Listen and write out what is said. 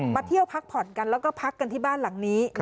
มาเที่ยวพักผ่อนกันแล้วก็พักกันที่บ้านหลังนี้